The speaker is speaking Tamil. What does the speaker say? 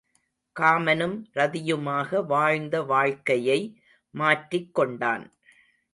காமனும் ரதியுமாக வாழ்ந்த வாழ்க்கையை மாற்றிக் கொண்டான்.